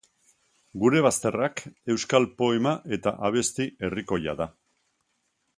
Gure Bazterrak euskal poema eta abesti herrikoia da.